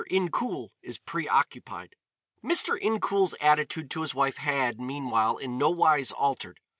INCOUL IS PREOCCUPIED. Mr. Incoul's attitude to his wife had, meanwhile, in no wise altered.